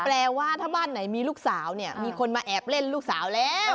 แปลว่าถ้าบ้านไหนมีลูกสาวเนี่ยมีคนมาแอบเล่นลูกสาวแล้ว